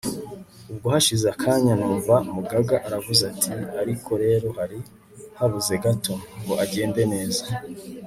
ubwo hashize akanya numva mugaga aravuze ati ariko rero hari habuze gato, ngo agende neza